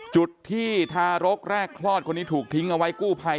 จุดที่ทารกแรกคลอดคนนี้ถูกทิ้งเอาไว้กู้ภัย